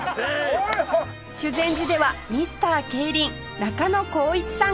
修善寺ではミスター競輪中野浩一さんが登場